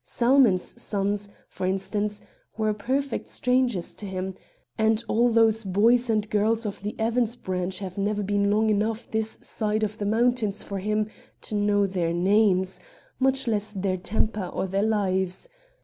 Salmon's sons, for instance, were perfect strangers to him, and all those boys and girls of the Evans' branch have never been long enough this side of the mountains for him to know their names, much less their temper or their lives.